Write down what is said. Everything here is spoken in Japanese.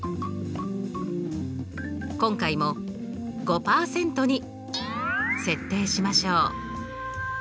今回も５％に設定しましょう。